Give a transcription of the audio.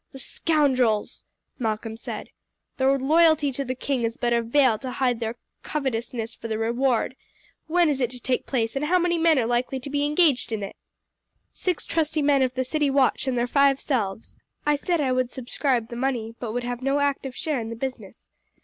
"The scoundrels!" Malcolm said. "Their loyalty to the king is but a veil to hide their covetousness for the reward. When is it to take place, and how many men are likely to be engaged in it?" "Six trusty men of the city watch and their five selves. I said I would subscribe the money, but would have no active share in the business.